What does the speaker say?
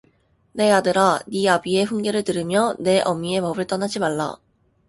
내 아들아 네 아비의 훈계를 들으며 네 어미의 법을 떠나지 말라